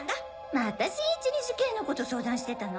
また新一に事件のこと相談してたの？